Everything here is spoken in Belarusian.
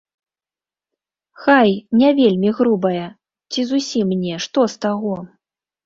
Хай, не вельмі грубая, ці зусім не, што з таго?